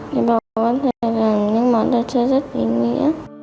vì bố vẫn thấy rằng những món đồ chơi rất ý nghĩa